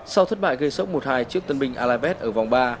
sau thất bại gây sốc một hai trước tân binh alabeth ở vòng ba